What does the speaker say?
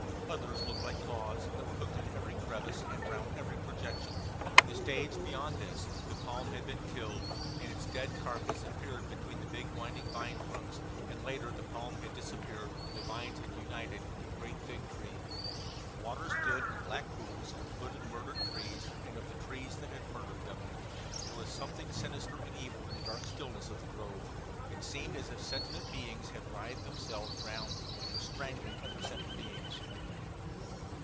Others looked like claws, that were hooked into every crevice, and round every projection. In the stage beyond this the palm had been killed, and its dead carcass appeared between the big, winding vine trunks; and later the palm had disappeared and the vines had united into a great fig tree. Water stood in black pools at the foot of the murdered trees, and of the trees that had murdered them. There was something sinister and evil in the dark stillness of the grove; it seemed as if sentient beings had writhed themselves round and were strangling other sentient beings.